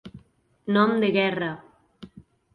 Nom de guerra.